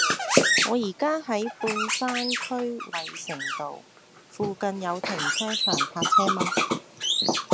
我依家喺半山區衛城道，附近有停車場泊車嗎